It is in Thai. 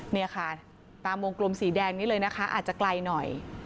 เนี่ยค่ะตามวงกลมสีแดงนี้เลยนะคะอาจจะไกลหน่อย